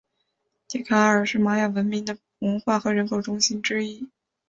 蒂卡尔是玛雅文明的文化和人口中心之一。